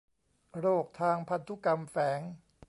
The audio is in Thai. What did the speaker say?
โรคทางพันธุกรรมแฝง